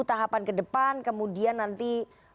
tahapan ke depan kemudian nanti